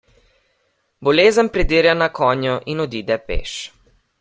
Bolezen pridirja na konju in odide peš.